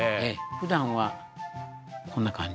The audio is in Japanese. ふだんはこんな感じ。